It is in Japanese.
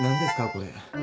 これ。